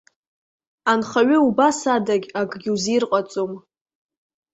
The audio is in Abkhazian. Анхаҩы убас адагь, акгьы узирҟаҵом.